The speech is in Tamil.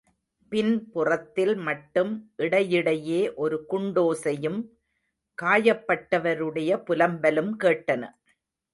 பின்புறத்தில் மட்டும் இடையிடையே ஒரு குண்டோசையும் காயப்பட்டவருடைய புலம்பலும் கேட்டன.